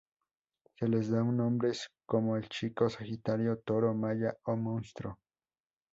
Se les da un nombres como El Chico, Sagitario Toro Maya o Monstruo.